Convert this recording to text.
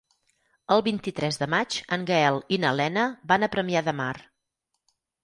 El vint-i-tres de maig en Gaël i na Lena van a Premià de Mar.